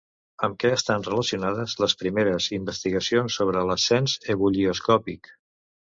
Amb què estan relacionades les primeres investigacions sobre l'ascens ebullioscòpic?